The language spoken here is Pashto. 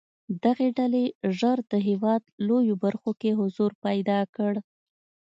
دغې ډلې ژر د هېواد لویو برخو کې حضور پیدا کړ.